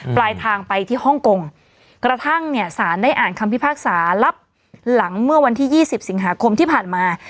ปลายทางไปที่ฮ่องกงกระทั่งเนี่ยสารได้อ่านคำพิพากษารับหลังเมื่อวันที่๒๐สิงหาคมที่ผ่านมา